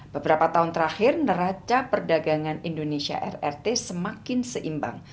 beberapa tahun terakhir neraca perdagangan indonesia rrt semakin seimbang